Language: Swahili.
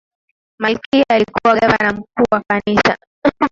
malkia alikuwa gavana mkuu wa kanisa